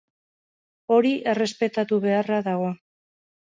Hori errespetatu beharra dago.